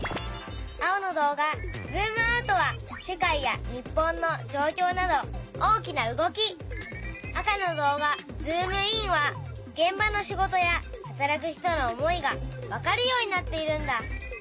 青の動画「ズームアウト」は世界や日本のじょうきょうなど大きな動き赤の動画「ズームイン」はげん場の仕事や働く人の思いがわかるようになっているんだ。